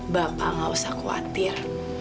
bapak nggak usah khawatir